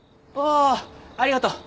ああありがとう。